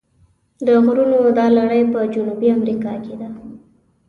د غرونو دا لړۍ په جنوبي امریکا کې ده.